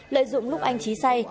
lợi dụng lúc anh trí say